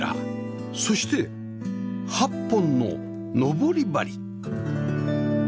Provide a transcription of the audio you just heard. そして８本の登り梁